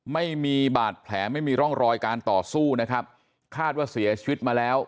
ไม่มีบาดแผลไม่มีร่องรอยการต่อสู้นะครับคาดว่าเสียชีวิตมาแล้ว